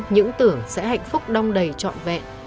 những tưởng sẽ hạnh phúc đong đầy trọn vẹn